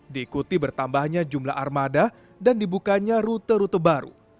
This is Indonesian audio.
diikuti bertambahnya jumlah armada dan dibukanya rute rute baru